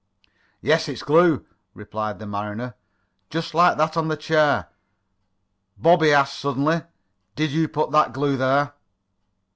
"Yes, it's glue," remarked the mariner. "Just like that on the chair. Bob," he asked suddenly, "did you put that glue there?"